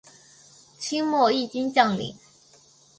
清末毅军将领。